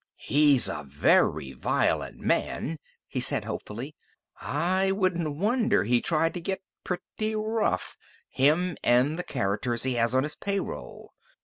"He's a very violent man," he said hopefully. "I wouldn't wonder he tried to get pretty rough him and the characters he has on his payroll.